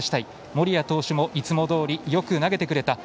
森谷投手もいつもどおりよく投げてくれた。